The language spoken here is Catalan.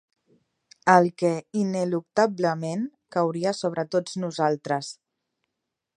El que ineluctablement cauria sobre tots nosaltres.